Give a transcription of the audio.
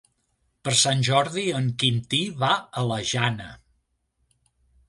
Per Sant Jordi en Quintí va a la Jana.